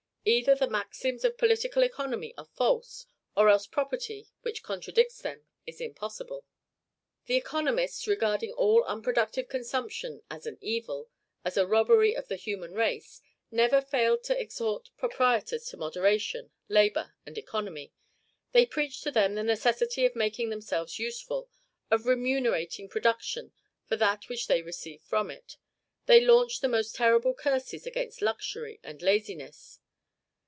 Either the maxims of political economy are false, or else property, which contradicts them, is impossible. The economists regarding all unproductive consumption as an evil, as a robbery of the human race never fail to exhort proprietors to moderation, labor, and economy; they preach to them the necessity of making themselves useful, of remunerating production for that which they receive from it; they launch the most terrible curses against luxury and laziness.